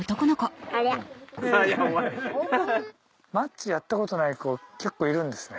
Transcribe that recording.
マッチやったことない子結構いるんですね。